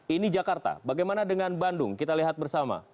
ini jakarta bagaimana dengan bandung kita lihat bersama